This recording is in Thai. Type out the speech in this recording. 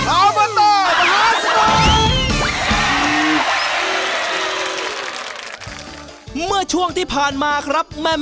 อัลบัตตาสมุนไพรบ้านดงบัง